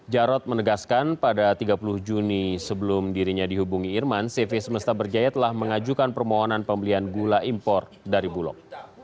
jarod menegaskan pada tiga puluh juni sebelum dirinya dihubungi irman cv semesta berjaya telah mengajukan permohonan pembelian gula impor dari bulog